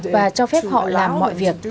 và cho phép họ làm mọi việc